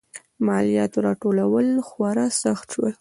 مالیاتو راټولول خورا سخت شول.